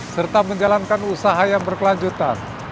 serta menjalankan usaha yang berkelanjutan